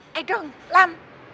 hai dong lam